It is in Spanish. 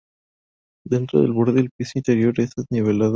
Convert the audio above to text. Dentro del borde, el piso interior es nivelado y casi sin rasgos distintivos.